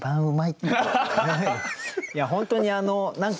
いや本当にあの何か。